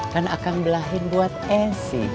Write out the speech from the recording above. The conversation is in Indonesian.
kan akang belahin buat esy